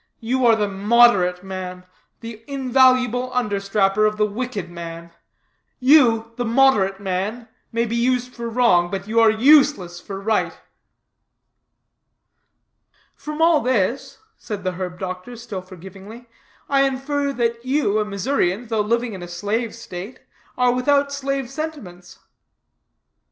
You are the moderate man, the invaluable understrapper of the wicked man. You, the moderate man, may be used for wrong, but are useless for right." "From all this," said the herb doctor, still forgivingly, "I infer, that you, a Missourian, though living in a slave state, are without slave sentiments."